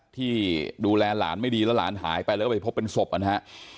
ที่ดูแลหลานไม่ดีแล้วหลานหายไปแล้วก็ไปพบเป็นศพนะฮะ